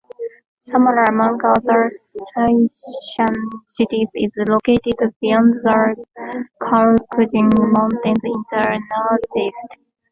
Samara among other Scythian cities is located beyond the Caucasian mountains in the northeast.